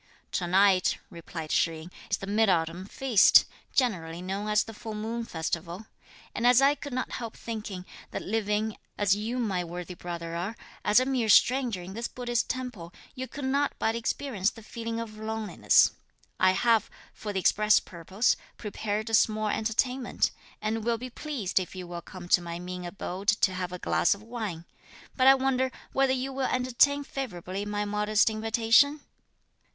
"Tonight," replied Shih yin, "is the mid autumn feast, generally known as the full moon festival; and as I could not help thinking that living, as you my worthy brother are, as a mere stranger in this Buddhist temple, you could not but experience the feeling of loneliness. I have, for the express purpose, prepared a small entertainment, and will be pleased if you will come to my mean abode to have a glass of wine. But I wonder whether you will entertain favourably my modest invitation?"